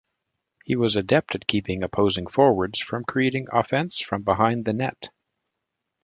He was adept at keeping opposing forwards from creating offence from behind the net.